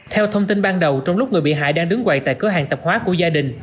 theo thông tin ban đầu trong lúc người bị hại đang đứng quậy tại cửa hàng tạp hóa của gia đình